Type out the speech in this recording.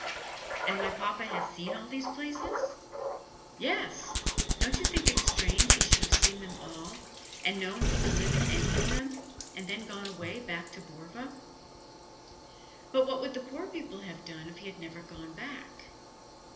"And my papa has seen all these places?" "Yes. Don't you think it strange he should have seen them all, and known he could live in any of them, and then gone away back to Borva?" "But what would the poor people have done if he had never gone back?"